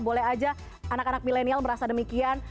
boleh aja anak anak milenial merasa demikian